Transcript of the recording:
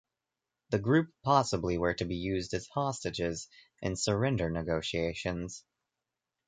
The group possibly were to be used as hostages in surrender negotiations.